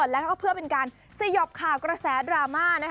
แล้วก็เพื่อเป็นการสยบข่าวกระแสดราม่า